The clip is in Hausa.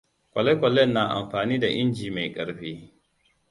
Kwale-kwalen na amfani da inji mai ƙarfi.